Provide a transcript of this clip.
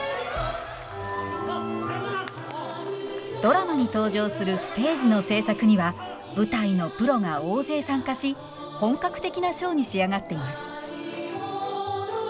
ドラマに登場するステージの制作には舞台のプロが大勢参加し本格的なショーに仕上がっています。